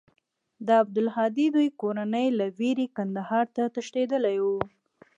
د عبدالهادي دوى کورنۍ له وېرې کندهار ته تښتېدلې وه.